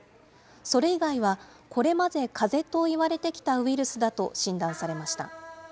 それ以外はこれまでかぜといわれてきたウイルスだと診断されました。